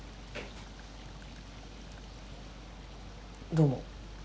どうも。